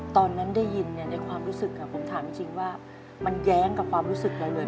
ตอนนั้นได้ยินในความรู้สึกผมถามจริงว่ามันแย้งกับความรู้สึกเราเลย